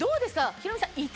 ヒロミさん。